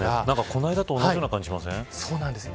この間と同じような感じがしませんか。